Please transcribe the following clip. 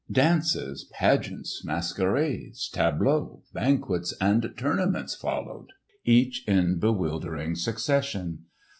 Dances, pageants, masquerades, tableaux, banquets and tournaments followed each in bewildering succession.